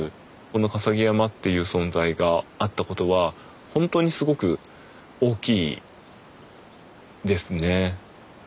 この笠置山という存在があったことはほんとにすごく大きいですね。